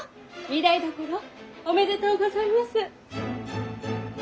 御台所おめでとうございます。